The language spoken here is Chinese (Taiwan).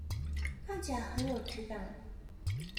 看起來很有質感